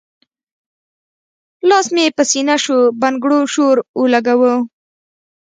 لاس مې پۀ سينه شو بنګړو شور اولګوو